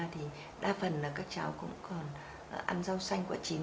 thì đa phần là các cháu cũng còn ăn rau xanh quận chín